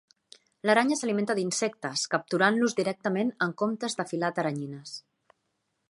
L'aranya s'alimenta d'insectes, capturant-los directament en comptes de filar teranyines.